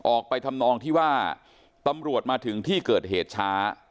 ออกไปทำนองที่ว่าตำรวจมาถึงที่เกิดเหตุช้า